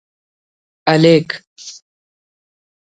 ہلیک